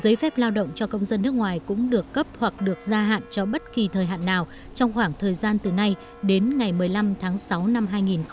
giấy phép lao động cho công dân nước ngoài cũng được cấp hoặc được gia hạn cho bất kỳ thời hạn nào trong khoảng thời gian từ nay đến ngày một mươi năm tháng sáu năm hai nghìn hai mươi